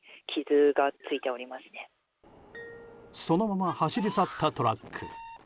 そのまま走り去ったトラック。